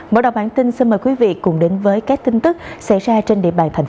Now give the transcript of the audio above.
mở đọc bản tin xin mời quý vị cùng đến với các tin tức xảy ra trên trang web của sáng phương nam